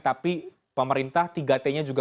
tapi pemerintah tiga t nya juga